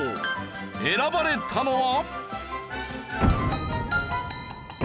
選ばれたのは。